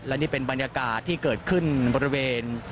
และนี่เป็นบรรยากาศที่เกิดขึ้นบริเวณ